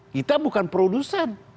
kita bukan produsen